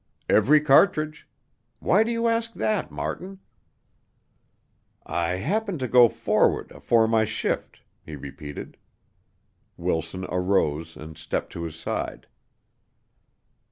"Every cartridge. Why do you ask that, Martin?" "I happened to go for'ard afore my shift," he repeated. Wilson arose and stepped to his side.